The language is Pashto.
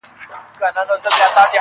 د دوى دا هيله ده چي.